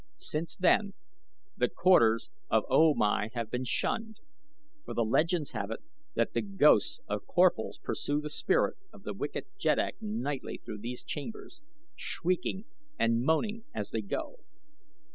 Since then the quarters of O Mai have been shunned for the legends have it that the ghosts of Corphals pursue the spirit of the wicked Jeddak nightly through these chambers, shrieking and moaning as they go.